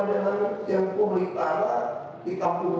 jauh jauh hari sebelum